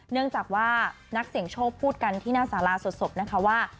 เนื่องจากว่านักเสี่ยงโชคพูดกันที่หน้าสาราสดนะคะว่า